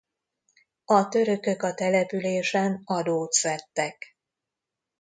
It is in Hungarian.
A törökök a településen adót szedtek.